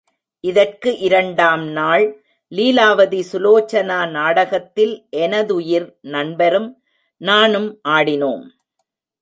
இதற்கு இரண்டாம் நாள் லீலாவதி சுலோசனா நாடகத்தில் எனதுயிர் நண்பரும் நானும் ஆடினோம்.